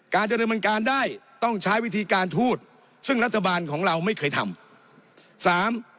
การเจริญบันการได้ต้องใช้วิธีการทูตซึ่งรัฐบาลของเราไม่เคยทำ